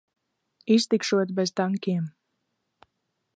Iztikšot bez tankiem.